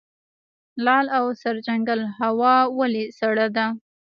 لعل او سرجنګل هوا ولې سړه ده؟